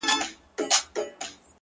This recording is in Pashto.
د اله زار خبري ډېري ښې دي ـ